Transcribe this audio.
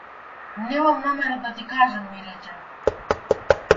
Немам намера да ти кажам ми рече.